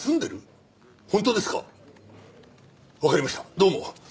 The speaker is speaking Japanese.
どうも。